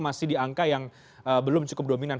masih diangka yang belum cukup dominan